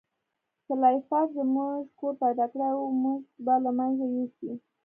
سلای فاکس زموږ کور پیدا کړی او موږ به له منځه یوسي